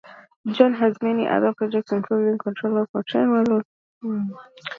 John has many other projects including controllers for train models and mobile application design.